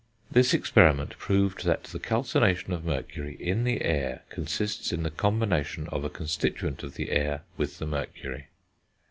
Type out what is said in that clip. This experiment proved that the calcination of mercury in the air consists in the combination of a constituent of the air with the mercury.